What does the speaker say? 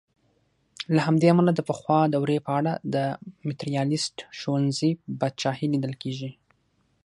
له همدې امله د پخوا دورې په اړه د ماتریالیسټ ښوونځي پاچاهي لیدل کېږي.